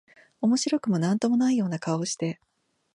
面白くも何とも無いような顔をして、